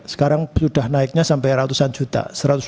sekarang sudah naiknya sampai ratusan juta